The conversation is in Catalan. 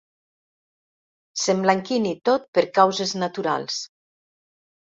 S'emblanquini tot per causes naturals.